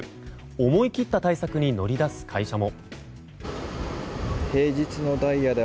思い切った対策に乗り出す会社も。